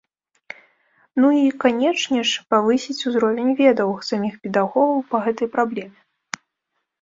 Ну і, канечне ж, павысіць узровень ведаў саміх педагогаў па гэтай праблеме.